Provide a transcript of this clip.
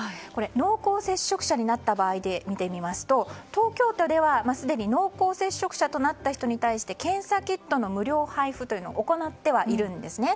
濃厚接触者になった場合で見てみますと東京都ではすでに濃厚接触者となった人に対して検査キットの無料配布を行ってはいるんですね。